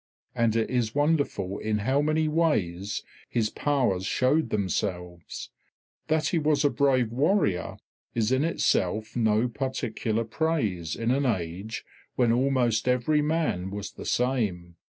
And it is wonderful in how many ways his powers showed themselves. That he was a brave warrior is in itself no particular praise in an age when almost every man was the same.